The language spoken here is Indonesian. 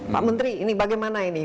pak menteri ini bagaimana ini